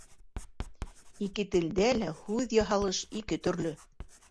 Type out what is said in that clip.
Ике телдә лә һүҙъяһалыш ике төрлө.